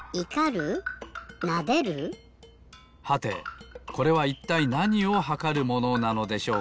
はてこれはいったいなにをはかるものなのでしょうか？